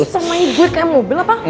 lu susah main gue kayak mobil apa